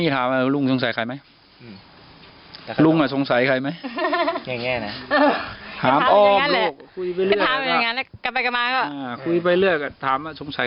ถามอะไรจริงเค้าย้ำบ่อยเหรอ